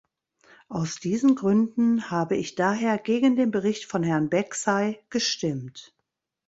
Aus diesen Gründen habe ich daher gegen den Bericht von Herrn Becsey gestimmt.